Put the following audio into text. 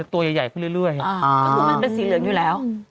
ก็คือมันเป็นสีเหลืองอยู่แล้ว